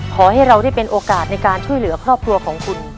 ขอให้เราได้เป็นโอกาสในการช่วยเหลือครอบครัวของคุณ